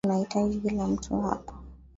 Tunahitaji kila mtu hapa